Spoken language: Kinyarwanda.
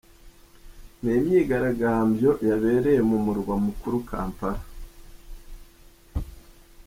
Ni imyigaragambyo yabereye mu murwa mukuru Kampala.